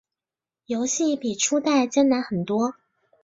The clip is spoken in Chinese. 游戏比初代难很多。